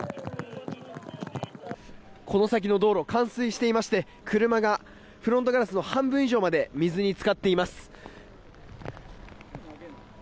この先の道路冠水していまして車がフロントガラスの半分以上まで水につかっています。